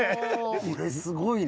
これすごいな。